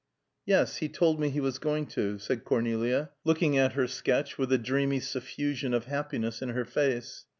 "Yes, he told me he was going to," said Cornelia, looking at her sketch, with a dreamy suffusion of happiness in her face.